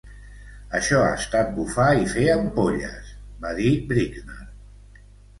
""Això ha estat bufar i fer ampolles", va dir Brixner."